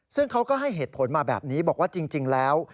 ซึ่งเขาก็ให้เหตุผลมาแบบนี้บอกว่าจริงแล้ว